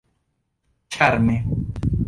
ĉarme